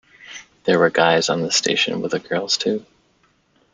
There were guys on "the station with the girls", too.